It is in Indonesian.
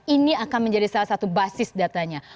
ini akan menjadi salah satu basis datanya